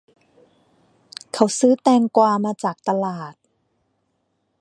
เขาซื้อแตงกวามาจากตลาด